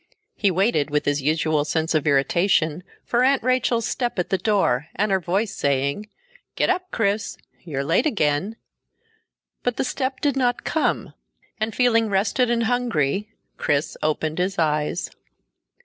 He waited with his usual sense of irritation for Aunt Rachel's step at the door, and her voice saying, "Get up, Chris! You're late again!" But the step did not come, and feeling rested and hungry, Chris opened his eyes.